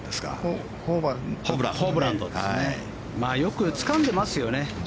よくつかんでますね